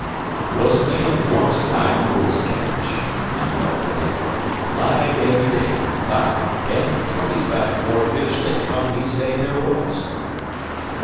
"Was a man once lied for his catch," Manuel put in. "Lied every day. Fife, ten, twenty fife more fish than come he say there was."